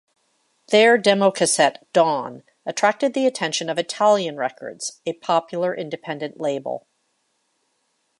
Their demo cassette Dawn attracted the attention of Italian Records, a popular independent label.